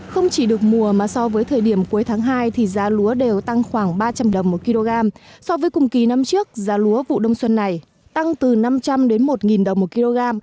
không chỉ được mùa mà so với thời điểm cuối tháng hai thì giá lúa đều tăng khoảng ba trăm linh đồng một kg so với cùng kỳ năm trước giá lúa vụ đông xuân này tăng từ năm trăm linh đến một đồng một kg